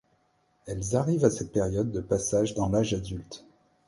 Elles arrivent à cette période de passage dans l'âge adulte.